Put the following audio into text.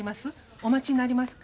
お待ちになりますか？